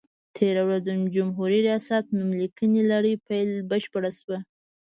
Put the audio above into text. تېره ورځ د جمهوري ریاست نوم لیکنې لړۍ بشپړه شوه.